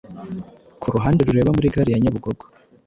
ku ruhande rureba muri gare ya nyabugogo .